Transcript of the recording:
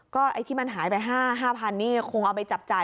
ก็ไอ้ที่มันหายไป๕๐๐นี่คงเอาไปจับจ่าย